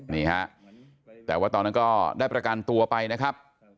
นี่ฮะแต่ว่าตอนนั้นก็ได้ประกันตัวไปนะครับ